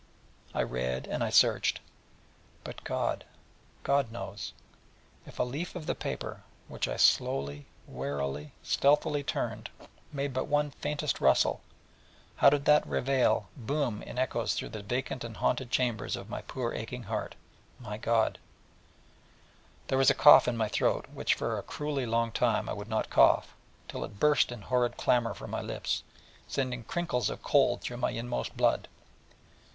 I read, and I searched: but God, God knows ... If a leaf of the paper, which I slowly, warily, stealingly turned, made but one faintest rustle, how did that reveille boom in echoes through the vacant and haunted chambers of my poor aching heart, my God! and there was a cough in my throat which for a cruelly long time I would not cough, till it burst in horrid clamour from my lips, sending crinkles of cold through my inmost blood.